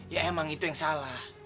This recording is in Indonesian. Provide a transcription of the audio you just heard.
ya emang itu yang salah